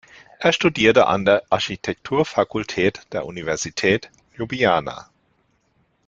Er studierte an der Architekturfakultät der Universität Ljubljana.